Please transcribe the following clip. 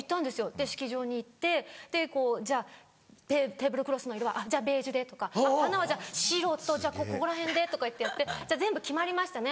で式場に行って「テーブルクロスの色は？」「ベージュで」とか「花は白とここらへんで」とかいってやって「全部決まりましたね？